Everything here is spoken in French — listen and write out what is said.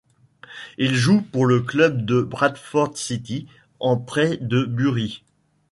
Il joue pour le club de Bradford City en prêt de Bury.